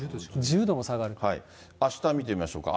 あした見てみましょうか。